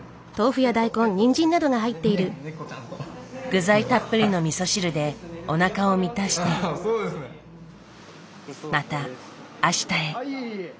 具材たっぷりの味噌汁でおなかを満たしてまた明日へ。